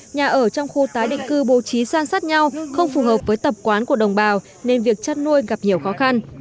nhà ở trong khu tái định cư bố trí san sát nhau không phù hợp với tập quán của đồng bào nên việc chăn nuôi gặp nhiều khó khăn